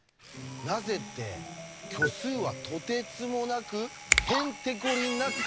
なぜって虚数はとてつもなくへんてこりんな数だからです。